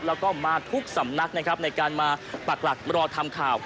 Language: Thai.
แล้วก็มาทุกสำนักนะครับในการมาปักหลักรอทำข่าว